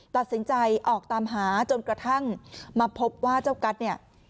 ตัดสินใจออกตามหาจนกระทั่งมาพบว่าเจ้ากัสเนี่ย